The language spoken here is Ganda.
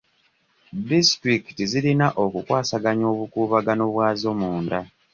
Disitulikiti zirina okukwasaganya obukuubagano bwazo munda.